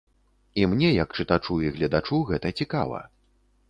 І мне як чытачу і гледачу гэта цікава.